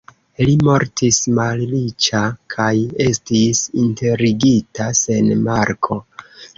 Li mortis malriĉa kaj estis enterigita sen marko.